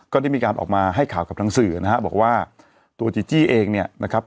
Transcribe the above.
ก็ได้มีการออกมาให้ข่าวกับทางสื่อนะฮะบอกว่าตัวจีจี้เองเนี่ยนะครับ